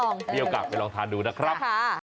มีโอกาสไปลองทานดูนะครับ